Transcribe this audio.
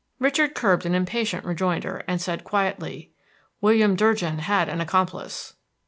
Richard curbed an impatient rejoinder, and said quietly, "William Durgin had an accomplice."